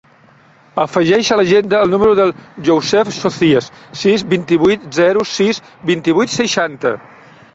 Afegeix a l'agenda el número del Youssef Socias: sis, vint-i-vuit, zero, sis, vint-i-vuit, seixanta.